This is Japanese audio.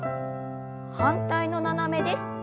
反対の斜めです。